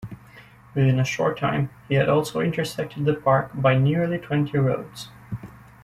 Within a short time, he had also intersected the park by nearly twenty roads.